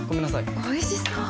わおいしそう！